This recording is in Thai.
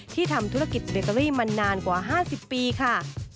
ทำธุรกิจเบตเตอรี่มานานกว่า๕๐ปีค่ะ